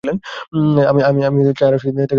আমি আমার চায়ের আসক্তি থেকে বুঝতে পারছি সেটা!